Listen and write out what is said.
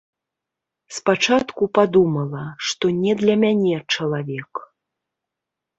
Спачатку падумала, што не для мяне чалавек.